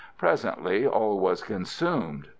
Presently all was consumed.